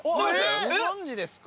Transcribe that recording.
ご存じですか？